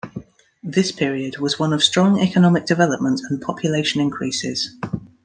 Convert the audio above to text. This period was one of strong economic development and population increases.